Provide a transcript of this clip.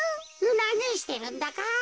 なにしてるんだか？